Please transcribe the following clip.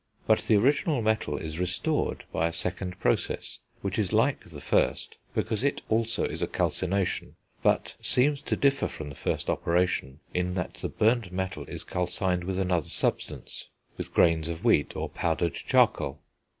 But the original metal is restored by a second process, which is like the first because it also is a calcination, but seems to differ from the first operation in that the burnt metal is calcined with another substance, with grains of wheat or powdered charcoal.